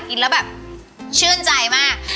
กินแล้วแบบชื่นใจมาก